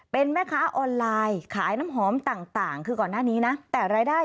เป็นแม่ค้าออนไลน์ขายน้ำหอมต่างคือก่อนหน้านี้นะแต่รายได้